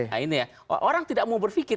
nah ini ya orang tidak mau berpikir